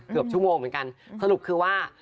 เกือบชั่วโมงเหมือนกันสรุปคือว่า